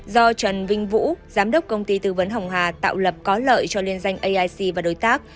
do trần vinh vũ giám đốc công ty tư vấn hồng hà tạo lập có lợi cho liên danh aic và đối tác